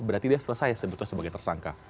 berarti dia selesai sebetulnya sebagai tersangka